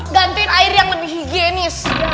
gantiin air yang lebih higienis